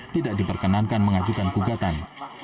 tidak diperkenankan mengajukan kugatan